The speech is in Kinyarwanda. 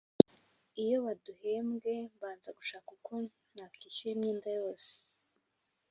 Iyo baduhembwe mbanza gushaka uko nakishyura imyenda yose